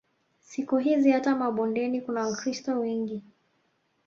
Siku hizi hata mabondeni kuna Wakristo wengi